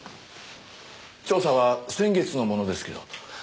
調査は先月のものですけど。